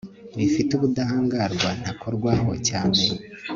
rifite ubudahangarwa ntakorwaho cyane